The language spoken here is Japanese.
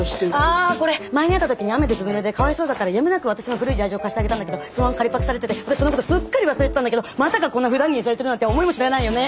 あこれ前に会った時に雨でずぶぬれでかわいそうだったからやむなく私の古いジャージを貸してあげたんだけどそのまま借りパクされてて私そのことすっかり忘れてたんだけどまさかこんなふだん着にされてるなんて思いもしないよね。